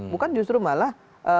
bukan justru malah